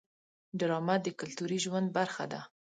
ډرامه د کلتوري ژوند برخه ده